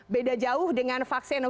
beda jauh dengan vaksin yang lain